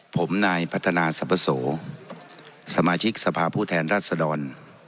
ผมนายพัฒนาสรรพโสสมาชิกสภาพผู้แทนรัศดร